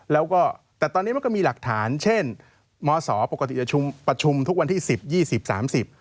แล้วก็แต่ตอนนี้มันก็มีหลักฐานเช่นมศปกติจะชุมประชุมทุกวันที่สิบยี่สิบสามสิบ